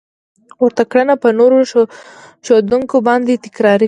ورته کړنه په نورو ښودونکو باندې تکرار کړئ.